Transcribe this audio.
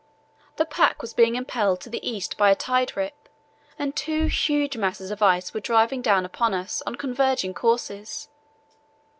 The pack was being impelled to the east by a tide rip, and two huge masses of ice were driving down upon us on converging courses.